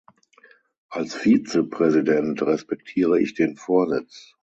Als Vizepräsident respektiere ich den Vorsitz.